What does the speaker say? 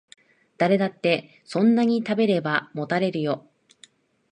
誰だってそんなに食べればもたれるよ